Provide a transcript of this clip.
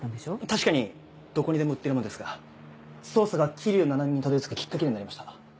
確かにどこにでも売ってるのですが捜査が桐生菜々美にたどり着くきっかけにはなりました。